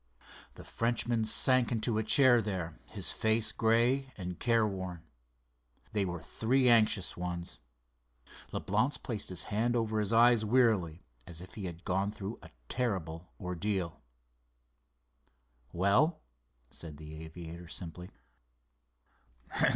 The Frenchman sank into a chair there, his face gray and careworn. They were three anxious ones. Leblance passed his hand over his eyes wearily, as if he had gone through a terrible ordeal. "Well?" said the aviator simply.